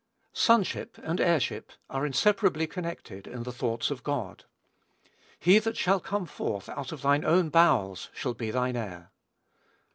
Sonship and heirship are inseparably connected in the thoughts of God. "He that shall come forth out of thine own bowels shall be thine heir."